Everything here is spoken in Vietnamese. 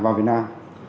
vào việt nam